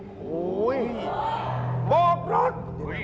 โอ้โฮบ่อปลด